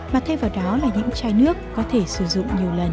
mà thay vào đó là những chai nước có thể sử dụng nhiều lần